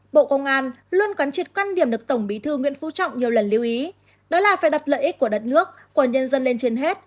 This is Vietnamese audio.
bộ công an luôn quán triệt quan điểm được tổng bí thư nguyễn phú trọng nhiều lần lưu ý đó là phải đặt lợi ích của đất nước của nhân dân lên trên hết